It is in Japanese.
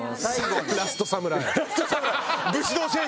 『ラストサムライ』。